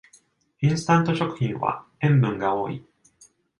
インスタント食品は塩分が多い